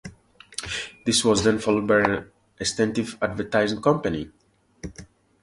This was then followed by an extensive advertising campaign.